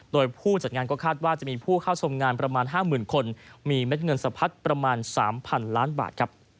โดยผู้จัดงานก็คาดว่าจะมีผู้เข้าชมงานประมาณ๕๐๐๐คนมีเม็ดเงินสะพัดประมาณ๓๐๐๐ล้านบาท